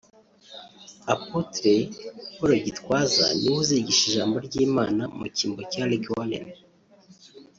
Apotre Paul Gitwaza niwe uzigisha ijambo ry'Imana mu cyimbo cya Rick Warren